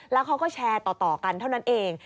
แล้วเขาก็แชร์ต่อกันเท่านั้นเอง